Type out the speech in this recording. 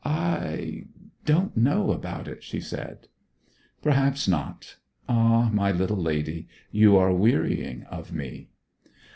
'I don't know about it!' she said. 'Perhaps not. Ah, my little lady, you are wearying of me!'